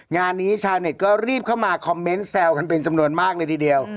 งานนี้ชาวเน็ตก็รีบเข้ามาคอมเมนต์แซวกันเป็นจำนวนมากเลยทีเดียว